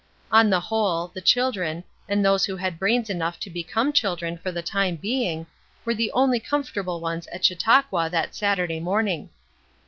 On the whole, the children, and those who had brains enough to become children for the time being, were the only comfortable ones at Chautauqua that Saturday morning.